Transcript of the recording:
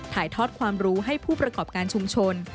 ถ่ายทอดความรู้ให้ผู้ประกอบการชุมชน